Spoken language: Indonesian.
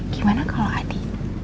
gimana kalau adi